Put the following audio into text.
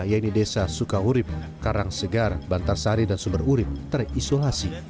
yaitu desa sukaurip karangsegar bantarsari dan subururip terisolasi